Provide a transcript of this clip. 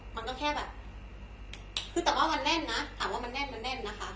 มันก็แค่แบบคือแต่ว่ามันแน่นนะถามว่ามันแน่นมันแน่นนะคะ